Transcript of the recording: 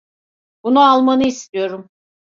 Bunu almanı istiyorum.